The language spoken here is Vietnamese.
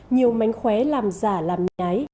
nhiều mánh khóe làm giả làm nhái